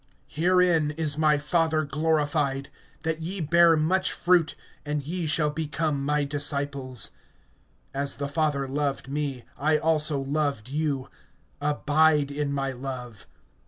(8)Herein is my Father glorified, that ye bear much fruit; and ye shall become my disciples. (9)As the Father loved me, I also loved you; abide in my love.